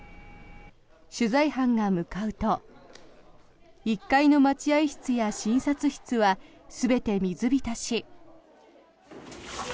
取材班が向かうと１階の待合室や診察室は全て水浸し。